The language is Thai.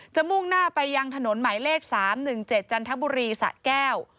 มุ่งหน้าไปยังถนนหมายเลข๓๑๗จันทบุรีสะแก้ว